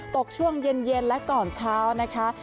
ตกช่วงเย็นและก่อนเช้านะคะ